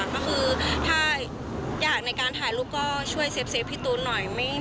ก็คือถ้าอยากในการถ่ายรูปก็ช่วยเซฟพี่ตูนหน่อย